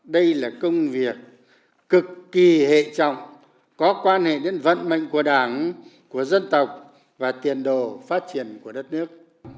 đây là công việc cực kỳ hệ trọng có quan hệ đến vận mệnh của đảng của dân tộc và tiền đồ phát triển của đất nước